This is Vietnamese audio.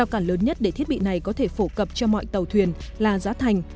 thứ nhất để thiết bị này có thể phổ cập cho mọi tàu thuyền là giá thành